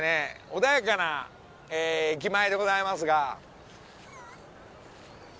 穏やかな駅前でございますが。